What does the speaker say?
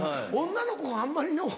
女の子があんまり。